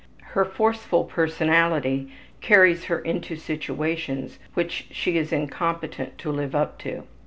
Her forceful personality carries her into situations which she is incompetent to live up to.